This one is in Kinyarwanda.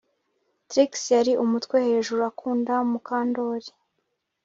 Trix yari umutwe hejuru akunda Mukandoli